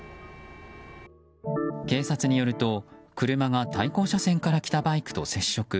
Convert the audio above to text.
警察によると、車が対向車線から来たバイクと接触。